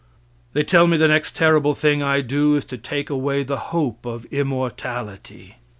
They tell me the next terrible thing I do is to take away the hope of immortality.